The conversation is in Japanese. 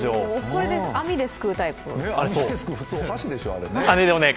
これは網ですくうタイプですね。